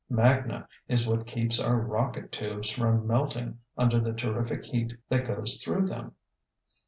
Magna is what keeps our rocket tubes from melting under the terrific heat that goes through them."